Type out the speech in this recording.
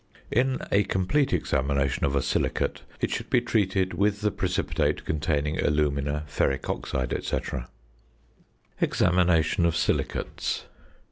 In a complete examination of a silicate it should be treated with the precipitate containing alumina, ferric oxide, &c. EXAMINATION OF SILICATES.